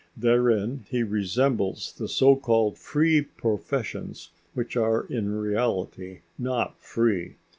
Therein he resembles the so called free professions which are in reality not free.